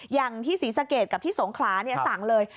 อย่างที่ศรีสะเกดกับที่สงขลาสั่งเลย